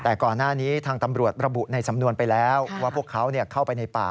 แต่ก่อนหน้านี้ทางตำรวจระบุในสำนวนไปแล้วว่าพวกเขาเข้าไปในป่า